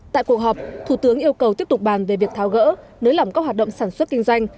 tại cuộc họp thủ tướng yêu cầu tiếp tục bàn về việc tháo gỡ nới lỏng các hoạt động sản xuất kinh doanh